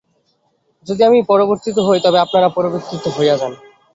যদি আমি পরিবর্তিত হই, তবে আপনারা পরিবর্তিত হইয়া যান।